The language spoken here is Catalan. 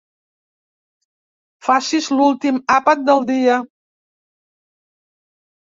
Facis l'últim àpat del dia.